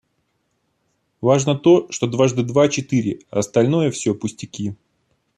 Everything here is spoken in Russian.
Важно то, что дважды два четыре, а остальное все пустяки.